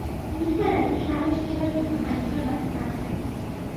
নিসার আলি সাহস দেবার জন্যে হানিফার মাথায় হাত রাখলেন।